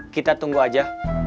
kita tunggu aja